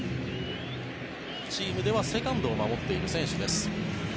チームではセカンドを守っている選手です。